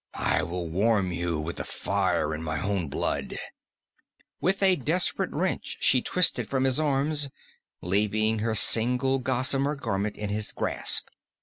"I will warm you with the fire in my own blood " With a desperate wrench she twisted from his arms, leaving her single gossamer garment in his grasp.